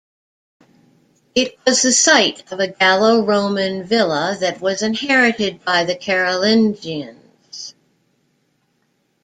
It was the site of a Gallo-Roman villa that was inherited by the Carolingians.